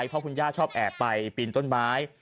เพราะคุณย่าชอบแอบไปปีนต้นไม้